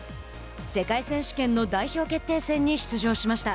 世界選手権の代表決定戦に出場しました。